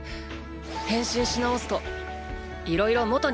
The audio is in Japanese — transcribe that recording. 変身し直すといろいろ元に戻る。